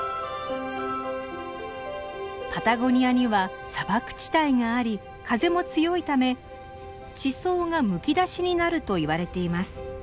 パタゴニアには砂漠地帯があり風も強いため地層がむき出しになるといわれています。